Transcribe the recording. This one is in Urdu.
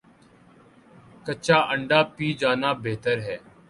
کچا انڈہ پی جانا بہتر ہے